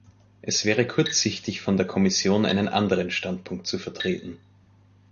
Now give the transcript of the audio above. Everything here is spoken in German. Es wäre kurzsichtig von der Kommission, einen anderen Standpunkt zu vertreten.